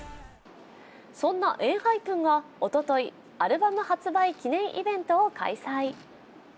そんなＥＮＨＹＰＥＮがおとといアルバム発売記念イベントを開催。